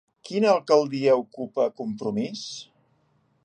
Quina alcaldia ocupa Compromís?